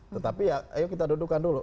tetapi ya ayo kita dudukan dulu